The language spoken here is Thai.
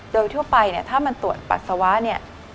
โดยทั่วไปถ้ามันตรวจปัสสาวะ